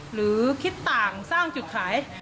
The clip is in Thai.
หรือคิดต่างสร้างจุดขาย